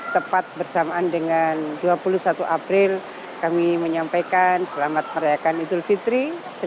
tepat bersamaan dengan dua puluh satu april kami menyampaikan selamat merayakan idul fitri